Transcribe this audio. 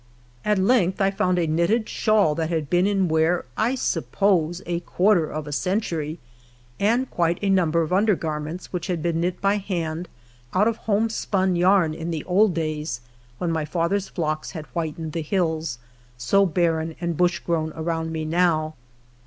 HALF A DIME A DAY. At length I found a knitted shawl that had been in wear, I suppose, a quarter of a century, and quite a number of under garments, which had been knit by hand out of home spun yarn in the old days when my father's flocks had whitened the hills, so barren and bush grown around me now.